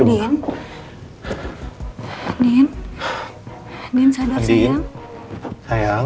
adin adin sadar sayang